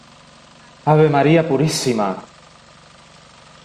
¡ ave María Purísima!